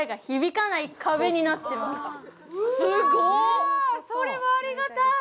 うわ、それはありがたい。